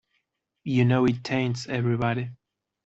You know it taints everybody.